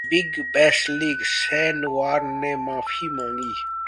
big bash league Shane Warne ने माफी मांगी